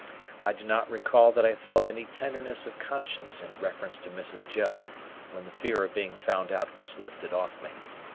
I do not recall that I felt any tenderness of conscience in reference to Mrs. Joe, when the fear of being found out was lifted off me.